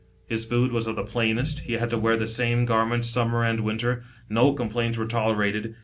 His food was of the plainest ; he had to wear the same garment summer and winter ; no complaints were tolerated.